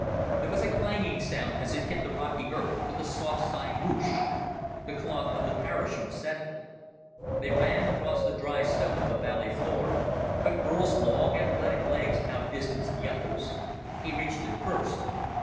There was a clanging sound as it hit the rocky earth with a soft, sighing whoosh. The cloth of the parachute settled. They ran across the dry stone of the valley floor, but Burl's long, athletic legs outdistanced the others. He reached it first.